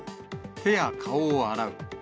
手や顔を洗う。